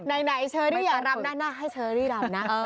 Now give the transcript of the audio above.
ใดเชอรี่อยากรับหน้าให้เชอรีรับนะ